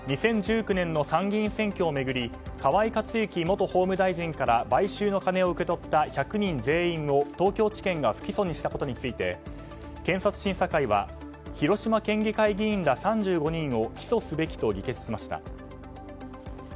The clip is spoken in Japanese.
２０１９年の参議院選挙を巡り河井克行元法務大臣から買収の金を受け取った１００人全員を東京地検が不起訴にしたことについて検察審査会は広島県議会議員ら３５人を起訴すべきと議決しました。